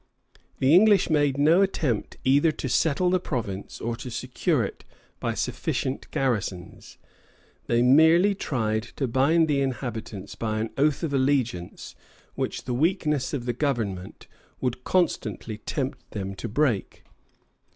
The English made no attempt either to settle the province or to secure it by sufficient garrisons; they merely tried to bind the inhabitants by an oath of allegiance which the weakness of the government would constantly tempt them to break.